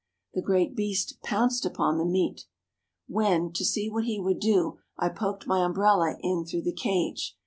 The great beast pounced upon the meat; when, to see what he would do, I poked my' umbrella in through the cage.